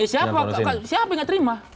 siapa yang nggak terima